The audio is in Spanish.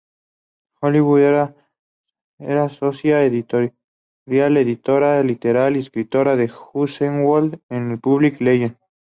Hallowell era socia editorial, editora literaria y escritora de "Household" en el "Public Ledger.